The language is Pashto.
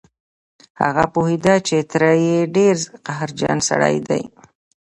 هغه پوهېده چې تره يې ډېر قهرجن سړی دی.